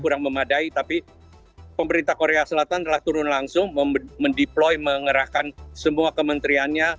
kurang memadai tapi pemerintah korea selatan telah turun langsung mendeploy mengerahkan semua kementeriannya